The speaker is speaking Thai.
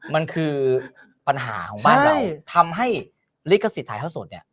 มันคือปัญหาของบ้านเราทำให้ลิขสิทธิ์ถ่ายเท่าสดเนี่ย